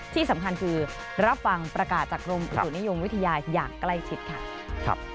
ที่สำคัญคือรับฟังประกาศจากกรมอุตุนิยมวิทยาอย่างใกล้ชิดค่ะ